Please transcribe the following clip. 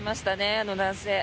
あの男性。